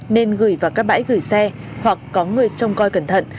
nên gửi vào các bãi gửi xe hoặc có người trông coi cẩn thận